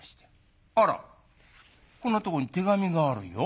「あらこんなとこに手紙があるよ。